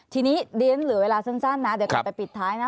ทีนี้เรียนเหลือเวลาสั้นนะเดี๋ยวกลับไปปิดท้ายนะ